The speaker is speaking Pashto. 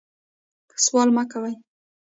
سوال مه کوئ